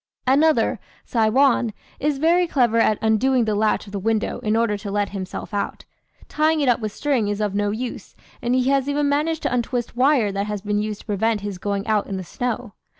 "Another, 'Saiwan,' is very clever at undoing the latch of the window in order to let himself out; tying it up with string is of no use, and he has even managed to untwist wire that has been used to prevent his going out in the snow.